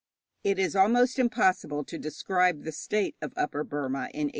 It is almost impossible to describe the state of Upper Burma in 1886.